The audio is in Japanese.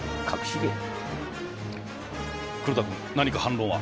黒田君何か反論は？